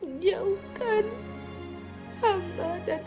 menjauhkan hamba dan keluarga